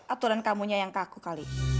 aturan kamu yang yang kaku kali